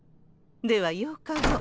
では８日後。